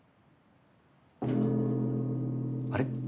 あれ？